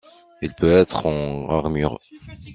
Il peut être en armure.